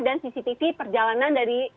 dan cctv perjalanan dari